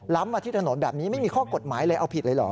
มาที่ถนนแบบนี้ไม่มีข้อกฎหมายเลยเอาผิดเลยเหรอ